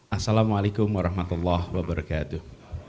assalamualaikum warahmatullah wabarakatuh